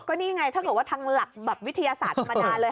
นี่ไงถ้าเกิดว่าทางหลักแบบวิทยาศาสตร์ธรรมดาเลย